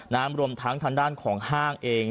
รวมทั้งทางด้านของห้างเอง